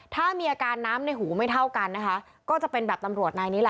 ถ้ามีอาการน้ำในหูไม่เท่ากันนะคะก็จะเป็นแบบตำรวจนายนี้แหละ